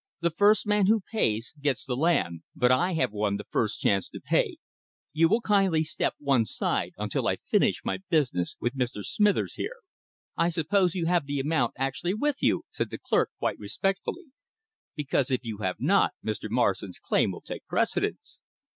The first man who pays gets the land; but I have won the first chance to pay. You will kindly step one side until I finish my business with Mr. Smithers here." "I suppose you have the amount actually with you," said the clerk, quite respectfully, "because if you have not, Mr. Morrison's claim will take precedence."